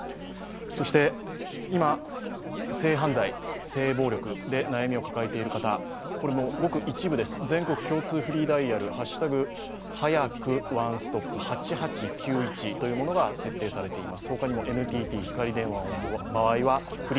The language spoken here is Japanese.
今、性犯罪、性暴力で悩みを抱えている方、これごく一部です、全国共通フリーダイヤルというものが設定されています。